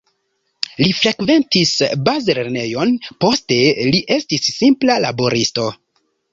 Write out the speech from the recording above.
Li frekventis bazlernejon, poste li estis simpla laboristo.